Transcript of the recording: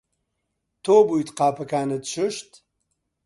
تۆ بوویت قاپەکانت شوشت؟